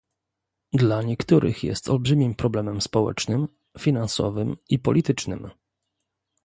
Dla niektórych jest olbrzymim problemem społecznym, finansowym i politycznym